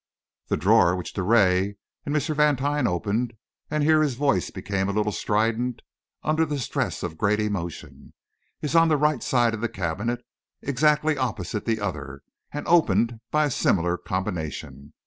The drawer which Drouet and M. Vantine opened," and here his voice became a little strident under the stress of great emotion, "is on the right side of the cabinet, exactly opposite the other, and opened by a similar combination.